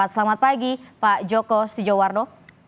selamat pagi pak joko setijowarno